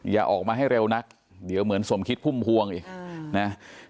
อย่าออกมาให้เร็วนักเดี๋ยวเหมือนสมคิดพุ่มพวงอีกนะ